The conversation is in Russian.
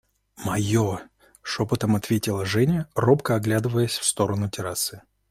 – Мое, – шепотом ответила Женя, робко оглядываясь в сторону террасы.